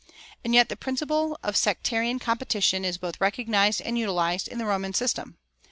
And yet the principle of sectarian competition is both recognized and utilized in the Roman system.